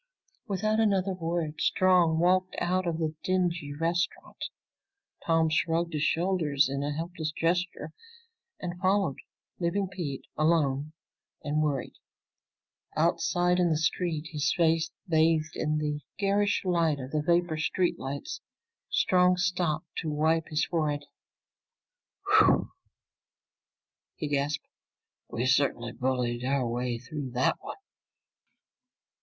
Without another word Strong walked out of the dingy restaurant. Tom shrugged his shoulders in a helpless gesture and followed, leaving Pete alone and worried. Outside in the street, his face bathed in the garish light of the vapor street lights, Strong stopped to wipe his forehead. "Whew!" he gasped. "We certainly bulled our way through that one!"